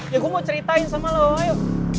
ya gua mau ceritain sama lu ayo